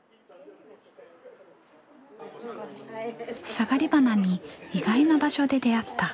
サガリバナに意外な場所で出会った。